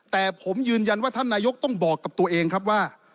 แต่ผมยืนยันว่าท่านนายกต้องบอกกับตัวเองครับว่า